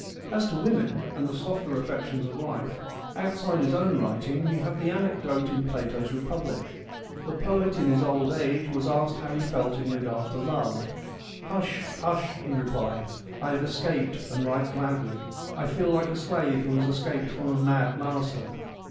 As to women, and the softer affections of life, outside his own writing we have the anecdote in Plato's Republic. The poet in his old age was asked how he felt in regard to love :' Hush, hush,' he replied ;' I have escaped and right gladly. I feel like a slave who has escaped from a mad master.'